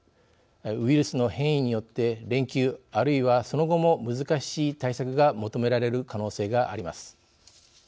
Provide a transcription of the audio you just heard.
ウイルスの変異によって連休あるいはその後も難しい対策が求められる可能性があります。